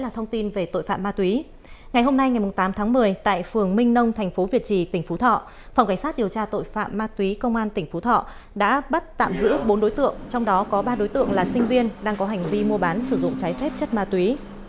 trong đó có ba đối tượng là sinh viên đang có hành vi mua bán sử dụng trái phép chất ma túy